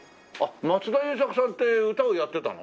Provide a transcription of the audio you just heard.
松田優作さんって歌をやってたの？